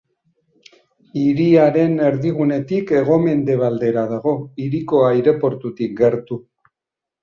Hiriaren erdigunetik hego-mendebaldera dago, hiriko aireportutik gertu.